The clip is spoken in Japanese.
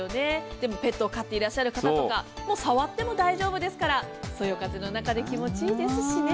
ペットを飼っていらっしゃる方とか、触っても大丈夫ですからそよ風の中で気持ちいいですしね。